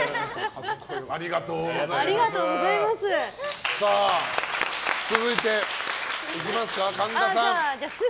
ありがとうございます！